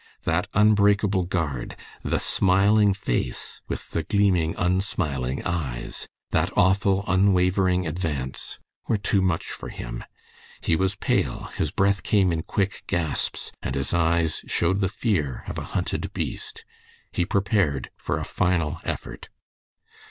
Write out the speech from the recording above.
That unbreakable guard, the smiling face with the gleaming, unsmiling eyes, that awful unwavering advance, were too much for him. He was pale, his breath came in quick gasps, and his eyes showed the fear of a hunted beast. He prepared for a final effort.